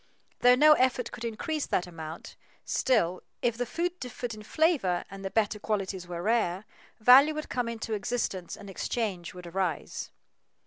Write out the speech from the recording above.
Though no effort could increase that amount, still, if the food differed in flavor and the better qualities were rare, value would come into existence and exchange would arise.